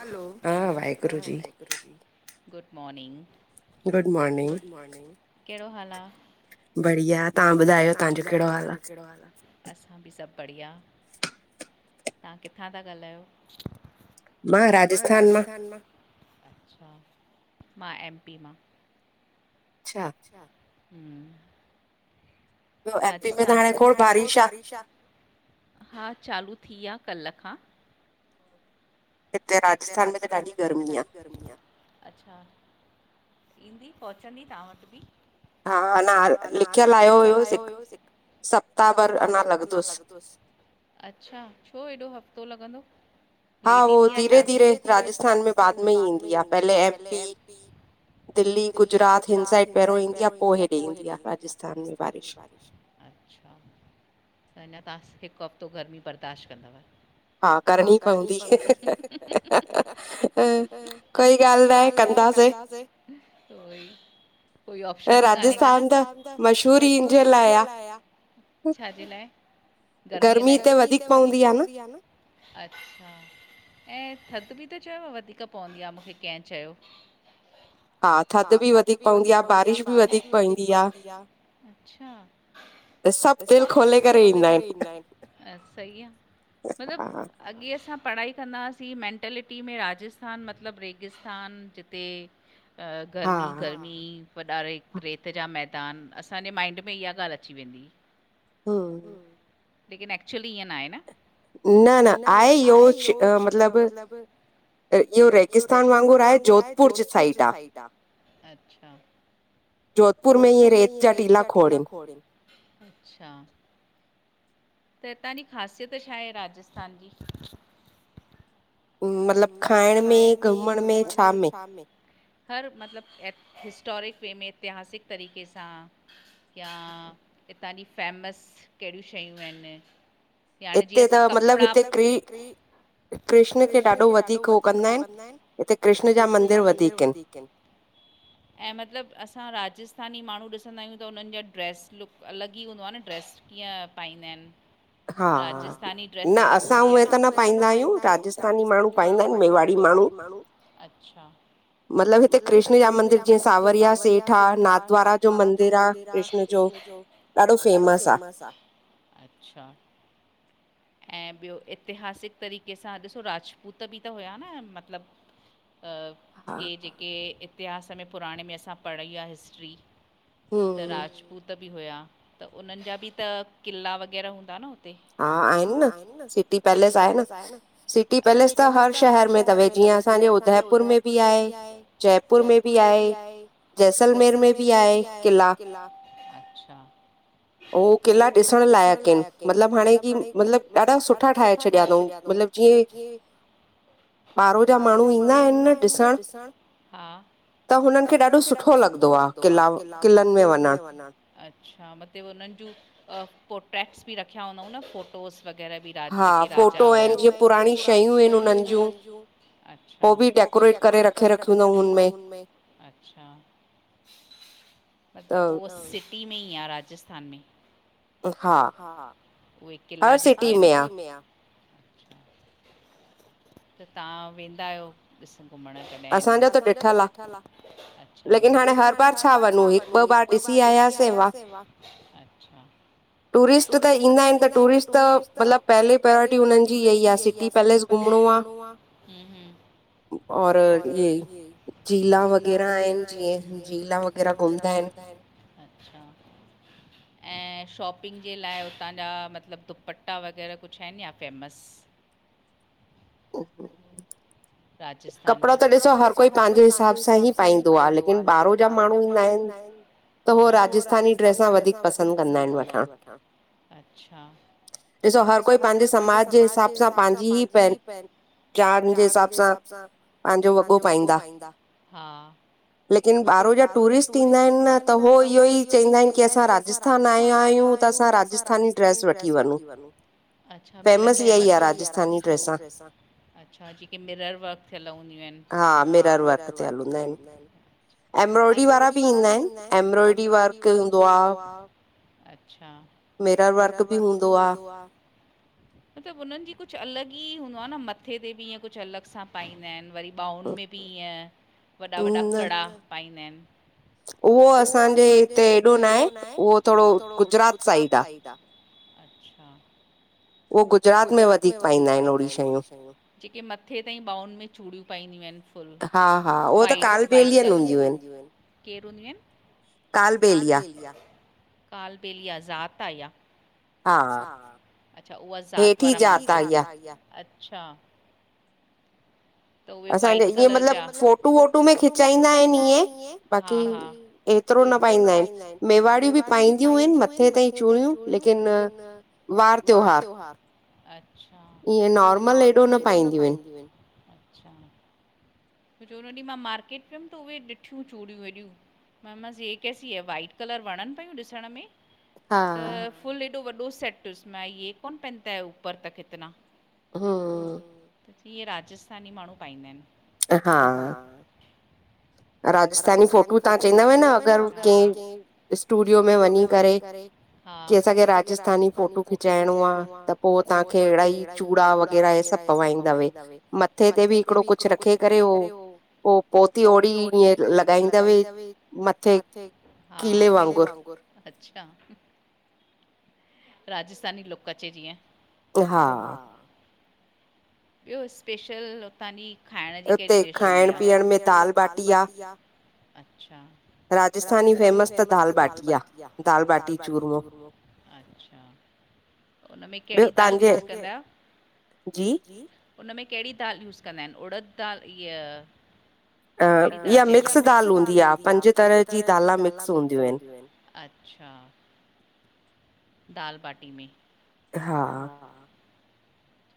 हलो हा Waheguru ji good morning. Good morning, केड़ो हाल आ? बढ़िया, तहां ॿुधायो तहांजो केड़ो हाल आ? असां बि सभ बढ़िया तहां किथां ता ॻाल्हायो? मां राजस्थान मां अच्छा मां एम पी मां। अच्छा अच्छा, हम्म राजस्थान एम पी में त हाणे खोर बारिश आ, हा चालू थी आ कल खां। हिते राजस्थान मे त ॾाढी गर्मी आ। अच्छा, ईंदी पहुचंदी तहां वट बि। हा अना लिखयल आयो हुयोस हिक सप्ताह भर अञा लॻंदस। अच्छा, छो हेॾो हफ़्तो लॻंदो? लेट इंदी आ छा हा हो धीरे-धीरे राजस्थान में बाद में ई ईंदी आ पहले एम पी दिल्ली, गुजरात हिन साइड पहिरयों ईंदी, आ पो हेॾे ईंदी आ राजस्थान में भार। अच्छा त अञा तहां हिक हफ़्तो गर्मी बर्दाश्त कंदव। हा करणी पवंदी। कोई गाल न आहे कंदासीं। कोई ऑप्शन ही काने का न त राजस्थान त मशहूर ही हिन् जे लाये आ। छा जे लाये? गर्मीअ लाए, गर्मी हिते वधीक पवंदी आ न, अच्छा। ऐं थध बि त चयोव वधीक पवंदी आ मुखे केह चयो। हा थॾ बि वधीक पवंदी आ बारिश बि वधीक पवंदी आ। अच्छा सभ दिल खोले करे ईंदा आहिन। सई आ मतलब अॻे असां पढ़ाई कंदासीं मेंटेलिटी में राजस्थान मतलब रेगिस्थान जिते अ गर्मी-गर्मी वॾा रेत-रेत जा मैदान असां असांजे माइंड में इहा ॻाल्ह अची वेंदी। हम्म लेकिन एक्चुली ईअं न आहे न, न न आहे इहो श मतलब। इहो रेगिस्तान वांगुरु आहे, जोधपुर जी साइड आ। अच्छा जोधपुर में इहे रेत जा टीला खोड़ हिन। अच्छा त हितां जी ख़ासियत छाहे राजस्थान जी? मतलब खाइण में घुमण में छा में? हर मतलब हिस्टोरिक वे में एतिहासिक तरीक़े सां। या हितां जी फैमस कहिड़ियूं छयूं आहिन? याने जीअं असां कपड़ा, हिते मतलब कृष्ण खे ॾाढो वधीक हो कंदा आहिन हिते कृष्ण जा मंदर वधीक आहिन। ऐं मतलब असां राजस्थानी माण्हू ॾिसंदा आहियूं त उन्हन जा ड्रैस लुक अलॻ ई हूंदो आहे न ड्रैस। ईअं पाईंदा आहिन। राजस्थानी ड्रेस अलग हुंदी आ न, न असां उहे त न पाईंदा आहियूं माण्हूं पाइंदा आहिन, मेवाड़ी माण्हू, अच्छा मतलब हिते कृष्ण जा मंदर जीअं सावरिया सेठ आ, नाद्वारा जो मंदरु आ। ॾिसी अच जो ॾाढो फेमस आ। अच्छा ऐं ॿयो इतिहासिक तरीक़े सां ॾिसो राज ऊ त बि त हुया न मतलब अ के जे के इतिहास में पुराणे में असां पढ़ी आ हिस्ट्री त राजपूत त बि हुया त उन्हन जा बि त क़िला वग़ैरह हूंदा न हुते? हा आहिन न सिटी पैलेस आहे न सिटी पैलेस त हर शहर में तव जीअं असांजे उदयपुर में बि आहे। जयपुर में बि आहे। जैसलमेर में बि आहे किला, अच्छा हो किला ॾिसण लायक़ु हिन। मतिलब हाणे की, मतिलबु ॾाढा सुठा ठाहे छॾिया अथऊं, मतिलबु जीअं कि ॿहिरों जा माण्हू ईंदा आहिनि न ॾिसण, हा त हुनन खे ॾाढो सुठो लॻंदो आ क़िला क़िलनि में वञणु। अच्छा मतिलबु उन्हनि जूं पोट्रेक्ट्स बि रखिया हूंदउ न फोटोस वग़ैरह बि कार्तिकेय राजा हुया, हा फोटो हिन जीअं पुराणी शयूं हिन उन्हिन जूं अच्छा ओ बि डेकोरेट करे रखे रखियूं अथऊ हुनमें, अच्छा मतिलब उहो सिटी में ई आ राजस्थान में। हा हा उहे किला जेके, हर सिटी में आ। त तव्हां वेंदा आहियो ॾिस घुमणु कॾहिं, असांजो त ॾिठल आ लेकिन हाणे हर बार छा वञूं। हिकु ॿ बार ॾिसी आयासीं, अच्छा टूरिस्ट त ईंदा आहिन त टूरिस्ट मतलबु पहले प्रयोरिटी उन्हनि जी इहा ई आहे सिटी पैलेस घुमणो आ, हूं -हूं औ झीला वग़ैरा आहिनि जीअं, झीला वग़ैरा घुमंदा आहिनि, अच्छा ऐं शॉपिंग जे लाइ उतां जा मतिलबु दुपट्टा वग़ैरा कुछ आहिनि छा फेमस राजस्थान जा?, कपड़ो त ॾिसो हर कोई पंहिंजे हिसाब सां ई पाईंदो आ। लेकिन ॿाहिरों जा माण्हू ईंदा आहिनि हा, त हो राजस्थानी ड्रेस वधीक पसंद कंदा आहिनि वठण, अच्छा ॾिसो हर कोई पंहिंजे समाज जे हिसाब सां, पंहिंजी ई पहचान जे हिसाब सां हिसाब सां पंहिंजो वॻो पाईंदा, हा लेकिन ॿाहिरो जा टूरिस्ट ईंदा आहिनि न त उह इहो ई चइंदा की असां राजस्थान आया आहियूं त असां राजस्थानी ड्रेस वठी वञूं। अच्छा मिलंदा इन मतलब, फैमस इअ ई आ राजस्थानी ड्रेसां। अछा जेके मिरर वर्क थियल हूंदियूं आहिनि। हा मिरर वर्क थियल हूंदा इन। एम्ब्रॉइडी वारा बि ईंदा आहिन। एम्ब्रॉइड्री वर्क हूंदो आ अच्छा! मिरर वर्क बि हूंदो आ मतिलबु उन्हनि जी कुछ अलॻि ई हूंदो आ न मथे ते बि ईअं कुछ अलॻि सां पाईंदा आहिन वरी ॿाहुनि में बि ईअं वॾा -वॾा कड़ा पाईंदा आहिन। उहो असांजे हिते एॾो न आहे। उहो थोड़ो गुजरात साइड ईदा अच्छा उहो गुजरात में वधीक पाईंदा आहिन ओड़ी शयूं। जेके मथे ताईं ॿहुनि में चूड़ियूं पाईंदियूं आहिन फुल। हा वाइट- वाइट काल बेलियन हूंदियूं आहिन, केर हूंदियूं आहिन? काल बेलिया! काल बेलिया ज़ात आ ईया? हा ह अछा! उहा जात वारा माण्हूं हेठीही जात आ इया। अच्छा त उए वाइट कलर जा मतलब फोटू- वोटू में खिचाईंदा आहिन इअं बाकी एतिरो न पाईंदा आहिन। मेवाड़ियूं बि पाईंदियूं आहिन मथे ताईं चूड़ियूं लेकिन वार त्योहार, अच्छा ईअं नॉर्मल हेॾो न पाईंदियूं आहिन। अच्छा छो जो हुन ॾींहुं मां मार्केट वियम त उहे ॾिठियूं चूड़ियूं हेॾियूं। मा चल मास ये कैसी है वाइट कलर? वणनि पयूं ॾिसण में त फुल एॾो वॾो सेट हुस मां ये कौन पहनता हेै ऊपर तक इतना? हम्म जियं राजस्थानी माण्हू पाईंदा आहिनि हा राजस्थानी फोटू तव्हां चइदव न हा अगरि कंहिं स्टूडियो में वञी करे, हा की असांखे राजस्थानी फोटू खिचाइणो आ त पो तव्हांखे अहिड़ा ई चूड़ा वग़ैरह हे सभु पवाईंदव, मथे ते बि हिकिड़ो कुछ रख खे करे ओ, पो पोती ओणी ॿी इअ लॻाईंदव‌ मत्थे, हा कीले वांगुर। अच्छा, राजस्थानी लुक अचे जीअं। हा। ॿियो स्पेशल हुतां जी खाइण ॿी केडी डिश हूंदी आ, हुते खाइण पीअण में दाल बाटी आ। राजस्थानी फेमस त दाल बाटी आ, दाल बाटी चूरमो। उन में कहिड़ी दाल यूस कंदा? उन में कहिड़ी दाल यूस कंदा आहिन? उड़द दाल इअ इया मिक्स दाल हूंदी आ, पंज तरह जी दालां मिक्स हूंदियूं आहिन। अच्छा दाल बाटी में।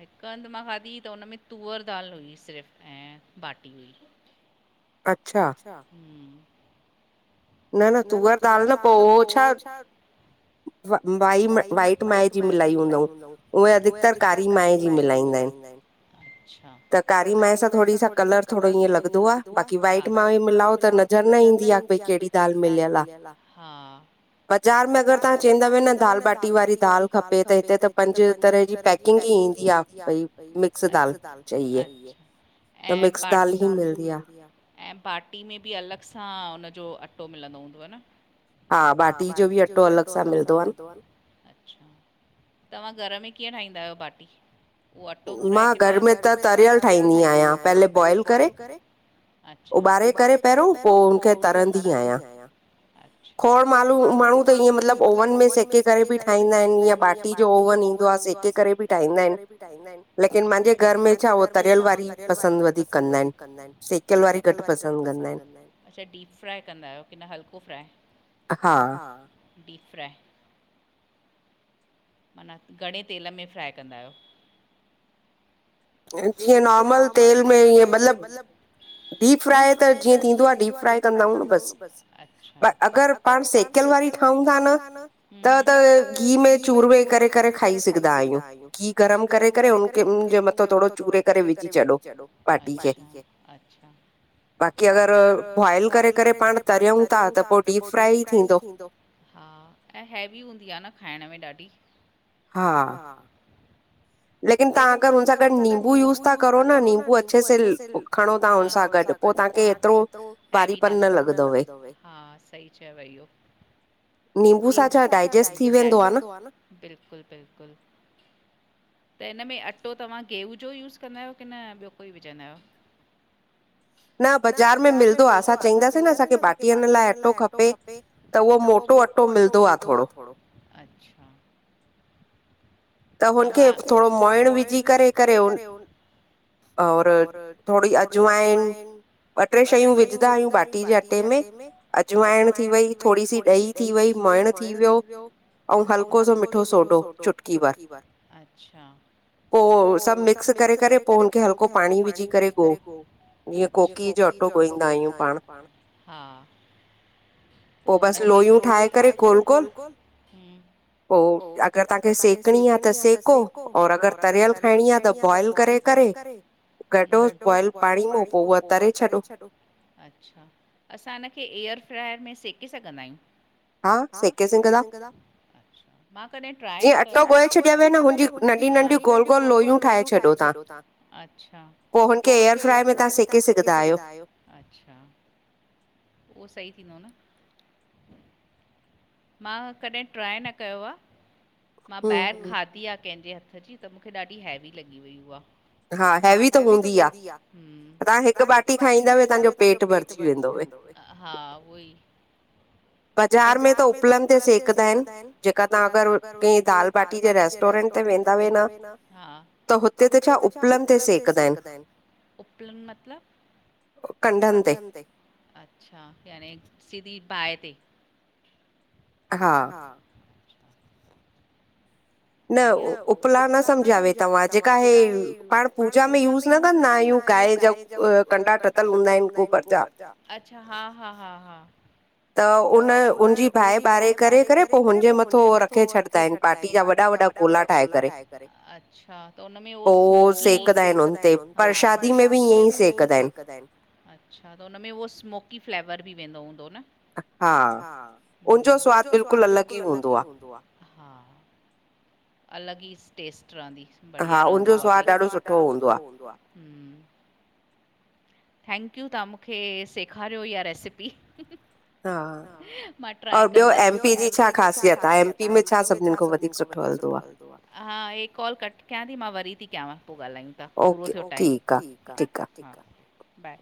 हिकु हंध मां खाधी त हुन में तुहर दाल हुई सिर्फ़ु ऐं बाटी। अच्छा! न न, तूहर दाल न, पो हू छा व वाई वाइट माएं जी मिलाई हूंदऊं, उहं अधिकतर कारी माएं जी मिलाईंदा आहिनि। त कारी माए सां थोड़ी सा कलर थोड़ो ईअं लॻदो आ, हा बाक़ी वाइट मां ई मिलाओ त नज़र न इंदी आ बई केडी दाल मिलयल आ, बजा र में अगरि तव्हां चवंदव न दाल बाटी वारी दाल खपे त हिते त पंज तरह जी पैकिंग ही ईंदी आ। बई मिक्स दाल, मिक्स दाल बि मिलदी आ। ऐं बाटी में बि अलॻि सां हुनजो अट्टो मिलंदो हूंदव न! हा बाटी जो बि अट्टो अलॻ सां मिलदो आ न। अच्छा, तव्हां घर में कीअं ठाहींदा आयो बाटी? मां घर में त तरियल ठाहींदी आहियां, पहले बॉइल करे उॿारे करे पहिरियों, पो हुनखे तरंदी आहियां। खोड़ माल्हू माण्हू त ईअं मतलबु ओवन में सेके करे बि ठाहींदा आहिन, इंय बाटी जो ओवन ईंदो आ। सेके करे बि ठाहींदा आहिन। ठाहिंदा आहिन, लेकिन मंजे घर में छा उ तरियल वारी पसंद वधीक कंदा आहिन। अछा डीप फ्राए कंदा आहियो कि न हल्को फ्राए? Deep fry. माना, कङे तेल में फ्राए कंदा आयो! जीअं नॉर्मल तेल में ईअं, मतिलबु डीप फ्राए त जीअं थींदो आ डीप फ्राए कंदा उं बस, पर अगरि पाण सेकयल वारी ठांउं था न त-त घी में चूर वे करे करे खाई सघंदा आयूं, घी गरम करे करे हुनखे, हुनमें जिअं मथो थोङो चूरे करे विझी छॾो, बाकी खे। बाक़ी अगरि बॉइल करे करे पाणि तरियंउं था त पो डीप फ्राए इ थींदो। हा, ऐं हैवी हूंदी आ न खाइण में ॾाढी? हा। लेकिन ता अगरि हुन सां गॾु नींबू यूस था करो न, निंबू अच्छे स खणो था हुन सां ग गड, त ता खे एत्रो हैवी न लगदव। नींबू सां छा डाइजेस्ट थी वेंदो आह ना। त इन में अट्टो तव्हां गेहू जो यूस कंदा आहियो, कि न ॿियो कोई विज़दा आयो? न बाजार में मिल पा, सां चईंदासीं न असांखे बाटीअनि लाइ अट्टो खपे, त उहो मोटो अटो मिलदो आ अच्छा। त, हुन खे थोडो मोहिण विझी करे करे हुन और थोड़ी अजवाइन ॿ टे शयूं विझंदा आहियूं बाटी जे अटे में अजवाइण थी वई थोड़ी सी ॾही थी वई मुहिण थी वियो, अऊं हलको सो मिठो सोडो चुटकी चुटकी भर। पोइ सभु मिक्स करे करे पोइ हुनखे हल्को पाणी विझी करे ॻो जीअ कोकी जो अटो गोहींदा आहियूं पाण। पोइ बसि लोयूं ठाहे करे गोल गोल पोइ अॻरि ताखे सेक सेकणी आ त सेको और अॻरि तरियल खाइणी आ त बॉइल करे करे कढो बॉइल पाणी मां पोइ उहो तरे छडो अच्छा, असां हिन खें एयरफ्रायर में सेके सघंदा आहियूं? हा, सेके सगदा। जीअं अटा छड्यव न हुन जी नंढियूं-नंढियूं, गोल-गोल लोहियो ठाहे छॾयो ता, पोइ हुन खे एयरफ्राए में ता सेके सघंदा आहियो। अच्छा, उहो सही थींदो न। मां कॾहिं ट्राए न कयो आ, मां ॿाहिरि खाधी आ कंहिंजे हथु जी। त मूंखे ॾाढी हैवी लॻी हुई उहा हा, हैवी त हूंदी आ, ता हिकु बाटी खाईंदवि तंजो पेट हा, उहो ई ॿाज़ार में त उपलंॻ ते सेकंदा आहिनि, जेका ता अगरि के दाल बाटी जे रेस्टोरेंट ते वेंदाव ना त हुते त छा उपलगं ते सेकंदा आहिनि। कंदनि ते। अच्छा, यानी सिधी बाहि ते। हा। न, उपला न सम्झावे तव्हां, जेका ही पाण पूजा में यूज़ न कंदा आहियूं गाए जा कंदा तूतल हूंदा आहिनि गुॿर जा। त हुन-हुनजी बहाए ॿारे करे, करे पोइ हुनजे मथां उहो रखे छॾींदा आहिनि ॿाटी जा वॾ वॾा-वॾा ॻोला ठाए करे। पोइ सेकदा आहिनि हुन में पर शादी में बि ईअं ई सेकंदा आहिनि। अच्छा, त हुन में उहो स्मोकी फ्लेवर बि वेंदो हूंदो न। हा, हुन जो स्वाद बिल्कुलु अलॻि ई हूंदो आ। अलॻि ई टेस्ट रहंदी ॿढिया रहंदी उहो बि। हम्म थैंक्यू, तां मूंखे सेखारियो इहा रेसिपी। हा। मां ट्राई कंदसि। हा, हे कॉल कट कयां ती मां वरी ती कयां पोइ ॻाल्हा पूरो थियो टाइम। ठीक आ। हा, बाय।